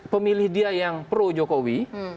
pemilih dia yang pro jokowi